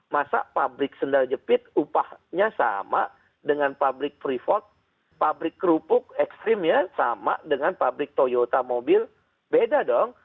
masa pabrik sendal jepit upahnya sama dengan pabrik privot pabrik kerupuk ekstrim ya sama dengan pabrik toyota mobil beda dong